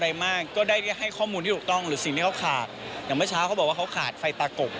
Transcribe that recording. อย่างเมื่อเช้าเขาบอกว่าเขาขาดไฟตากวก